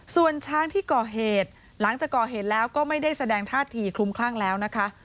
ส่วนช้างที่ก่อเหตุหลังจากก่อเหตุแล้วก็ไม่ได้แสดงท่าทีคลุมคลั่งแล้วนะคะ